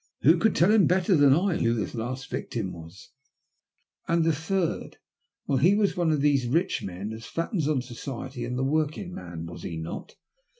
Who could tell him better than I who the last victim was ? "And the third — well, he was one of these rich men as fattens on Society and the workin* man, was he not?"